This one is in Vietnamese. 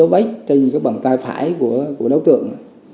về dấu vết trên bàn tay phải của đấu tượng